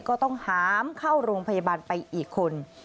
ก็ต้องหามเข้าโรงพยาบาลไปอีกคน